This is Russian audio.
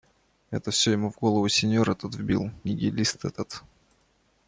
Это все ему в голову синьор этот вбил, нигилист этот.